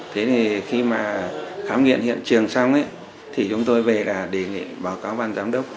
thế thì khi mà khám nghiệm hiện trường xong thì chúng tôi về là đề nghị báo cáo ban giám đốc